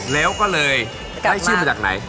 แล้วก็เลยได้ชื่อมาจากไหน